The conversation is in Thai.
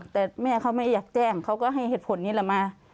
แต่แม่เขาไม่อยากแจ้งเขาก็ให้เหตุผลนี้แหละมา